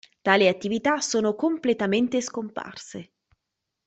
Tali attività sono completamente scomparse.